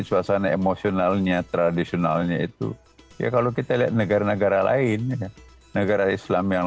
suasana emosionalnya tradisionalnya itu ya kalau kita lihat negara negara lain negara islam yang